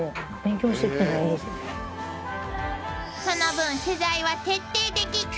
［その分取材は徹底的］